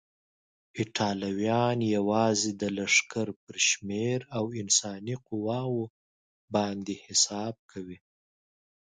ایټالویان یوازې د لښکر پر شمېر او انساني قواوو باندې حساب کوي.